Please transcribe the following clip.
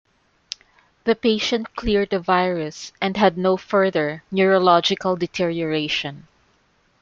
The patient cleared the virus and had no further neurological deterioration.